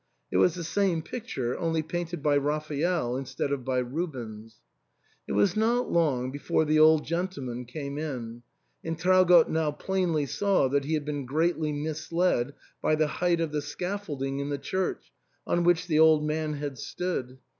It was the same picture, only painted by Raphael instead of by Rubens. It was not long before the old gentleman came in ; and Traugott now plainly saw that he had been greatly misled by the height of the scaffolding in the church, on which the old man had stood.